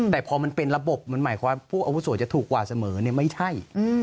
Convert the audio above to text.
แต่พอมันเป็นระบบมันหมายความพวกอาวุโสจะถูกกว่าเสมอไม่ใช่